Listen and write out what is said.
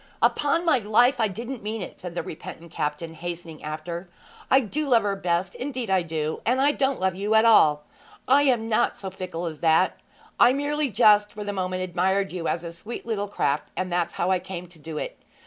'Upon my life I didn't mean it!' said the repentant captain, hastening after. 'I do love her best indeed I do and I don't love you at all! I am not so fickle as that! I merely just for the moment admired you as a sweet little craft, and that's how I came to do it.